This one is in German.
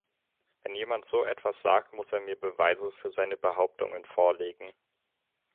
Wenn jemand so etwas sagt, muss er mir Beweise für seine Behauptungen vorlegen.